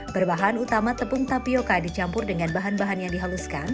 berbahan utama tepung tapioca dicampur dengan bahan bahan yang dihaluskan